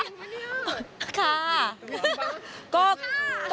หรือเป็นเหรอ